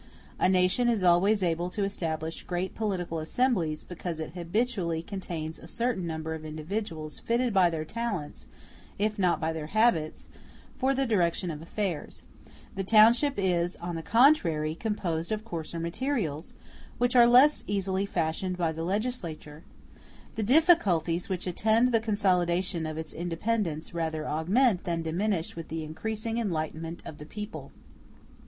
A nation is always able to establish great political assemblies, because it habitually contains a certain number of individuals fitted by their talents, if not by their habits, for the direction of affairs. The township is, on the contrary, composed of coarser materials, which are less easily fashioned by the legislator. The difficulties which attend the consolidation of its independence rather augment than diminish with the increasing enlightenment of the people.